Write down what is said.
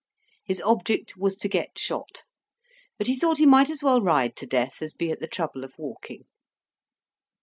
His object was to get shot; but he thought he might as well ride to death as be at the trouble of walking.